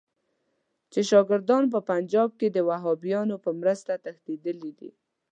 چې شاګردان په پنجاب کې د وهابیانو په مرسته تښتېدلي دي.